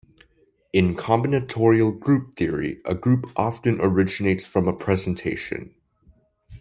In combinatorial group theory, a group often originates from a presentation.